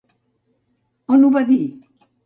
On ho va dir?